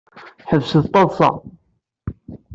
Ḥebset taḍsa.